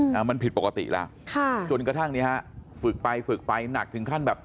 อ่ามันผิดปกติแล้วค่ะจนกระทั่งเนี้ยฮะฝึกไปฝึกไปหนักถึงขั้นแบบ